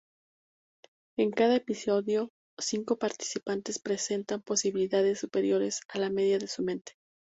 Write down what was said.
En cada episodio, cinco participantes presentan posibilidades superiores a la media de su mente.